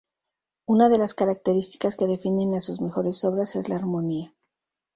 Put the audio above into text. Una de las características que definen a sus mejores obras es la armonía.